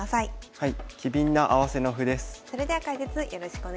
はい。